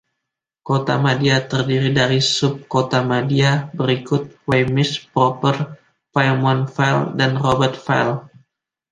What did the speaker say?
Kotamadya terdiri dari sub-kotamadya berikut: Waimes proper, Faymonville, dan Robertville.